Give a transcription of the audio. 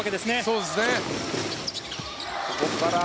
そうですね。